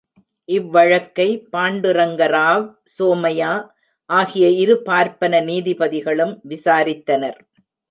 இவ்வழக்கை பாண்டுரங்கராவ், சோமையா ஆகிய இரு பார்ப்பன நீதிபதிகளும் விசாரித்தனர்.